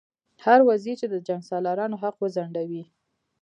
هر وزیر چې د جنګسالارانو حق وځنډوي.